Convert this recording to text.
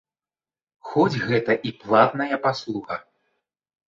Хоць гэта і платная паслуга.